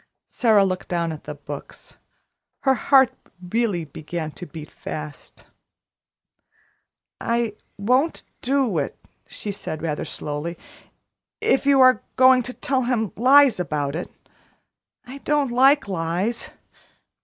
Sara looked down at the books; her heart really began to beat fast. "I won't do it," she said rather slowly, "if you are going to tell him lies about it I don't like lies.